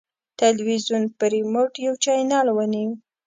تلویزیون په ریموټ یو چینل ونیو.